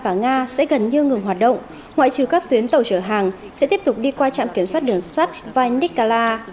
và nga sẽ gần như ngừng hoạt động ngoại trừ các tuyến tàu chở hàng sẽ tiếp tục đi qua trạm kiểm soát đường sắt vanicala